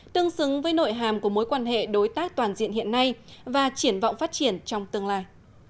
tương xứng với nội hàm của mối quan hệ đối tác toàn diện hiện nay và triển vọng phát triển trong tương lai